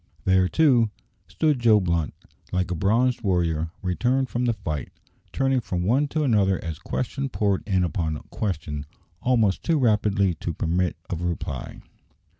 There, too, stood Joe Blunt, like a bronzed warrior returned from the fight, turning from one to another as question poured in upon question almost too rapidly to permit of a reply.